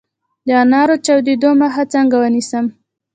د انارو د چاودیدو مخه څنګه ونیسم؟